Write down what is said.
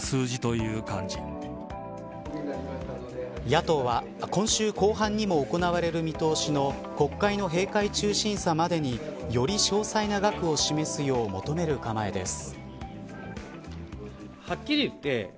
野党は今週後半にも行われる見通しの国会の閉会中審査までにより詳細な額を示すよう求める構えです。